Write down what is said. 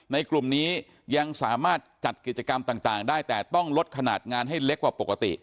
กลุ่มนี้ยังสามารถจัดกิจกรรมต่างได้แต่ต้องลดขนาดงานให้เล็กกว่าปกติ